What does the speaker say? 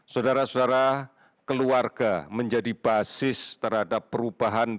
saudara saudara keluarga menjadi basis terhadap perubahan berlaku kita